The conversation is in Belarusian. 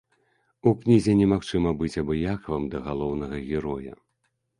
У кнізе немагчыма быць абыякавым да галоўнага героя.